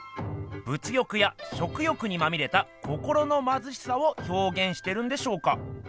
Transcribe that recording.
物欲や食欲にまみれた心のまずしさをひょうげんしてるんでしょうか？